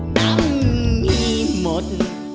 น้ำมีหมด